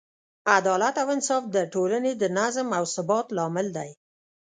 عدالت او انصاف د ټولنې د نظم او ثبات لامل دی.